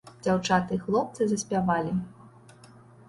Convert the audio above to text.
Дзяўчаты і хлопцы заспявалі.